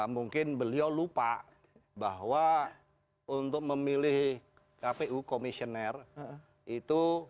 mungkin beliau lupa bahwa untuk memilih kpu komisioner itu